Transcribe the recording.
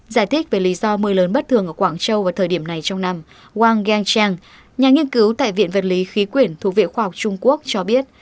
giải thích về lý do mưa lớn bất thường ở quảng châu vào thời điểm này trong năm wang yang cheng nhà nghiên cứu tại viện vật lý khí quyển thuộc viện khoa học trung quốc cho biết